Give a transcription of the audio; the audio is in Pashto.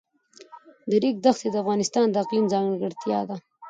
د ریګ دښتې د افغانستان د اقلیم ځانګړتیا ده.